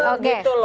kurang apa bu